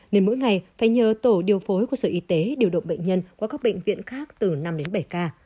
nên mỗi ngày phải nhờ tổ điều phối của sở y tế điều động bệnh nhân qua các bệnh viện khác từ năm đến bảy ca